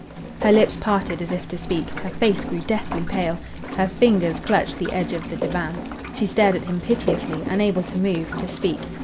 Her lips parted as if to speak, her face grew deathly pale, her fingers clutched the edge o' the divan. She stared at him piteously, unable to move, to speak.